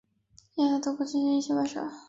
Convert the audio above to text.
也在德国进行了一些拍摄。